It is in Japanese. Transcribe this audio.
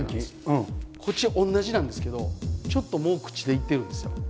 こっち同じなんですけどちょっともう朽ちていってるんですよ。